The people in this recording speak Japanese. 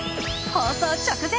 放送直前